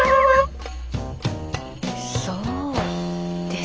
そうですか。